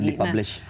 dan di publish